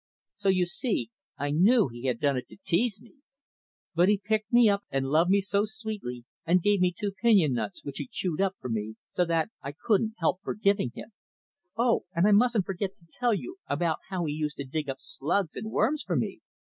So you see, I knew he had done it to tease me. But he picked me up and loved me so sweetly and gave me two pinion nuts which he chewed up for me, so that I couldn't help forgiving him. Oh! and I mustn't forget to tell you about how he used to dig up slugs and worms for me.